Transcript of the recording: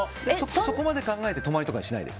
そこまで考えて泊まりとかにはしないです。